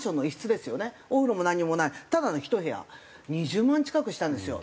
お風呂もなんにもないただの１部屋２０万近くしたんですよ。